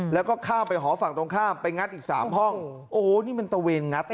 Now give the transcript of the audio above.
แล้วก็ข้ามไปหอฝั่งตรงข้ามไปงัดอีกสามห้องโอ้โหนี่มันตะเวนงัดอ่ะ